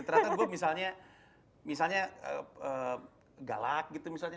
ternyata gue misalnya galak gitu misalnya